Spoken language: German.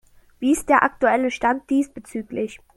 Wie ist der aktuelle Stand diesbezüglich?